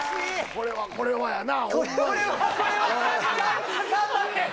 「これはこれはやな」